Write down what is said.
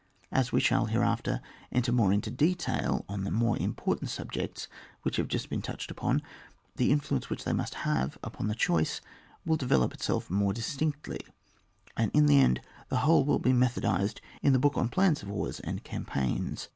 As we shall hereafter enter more into detail on the more important subjects which have just bedn touched upon, the influence which they must have upon the choice will then develop itself more distinctly, and in the end the whole wiU be method ised in the 3ook on Flans of Wars and Campaigns.